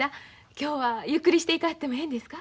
今日はゆっくりしていかはってもええんですか？